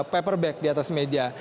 paper bag di atas media